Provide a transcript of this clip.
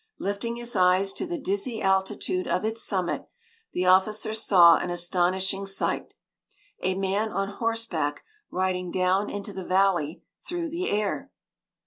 Lifting his eyes to the dizzy altitude of its summit, the officer saw an astonishing sight a man on horseback riding down into the valley through the air!